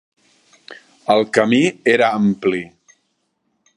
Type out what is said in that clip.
El camí era ampli.